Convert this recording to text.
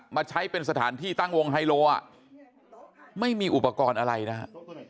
มาใช้เป็นสถานที่ตั้งวงไฮโลอ่ะไม่มีอุปกรณ์อะไรนะฮะ